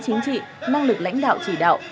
chính trị năng lực lãnh đạo chỉ đạo